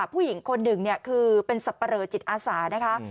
ผู้หญิงคนหนึ่งคือเป็นสับปะเลอจิตอาสานะคะ